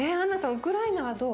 ウクライナはどう？